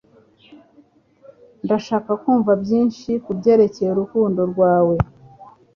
Ndashaka kumva byinshi kubyerekeye urugendo rwawe.